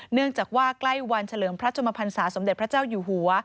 เนื่องจากว่าใกล้วันเฉลิมพระชมพันศาสมเด็จพระเจ้าอยู่หัว